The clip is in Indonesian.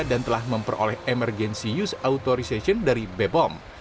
dan telah memperoleh emergency use authorization dari bebom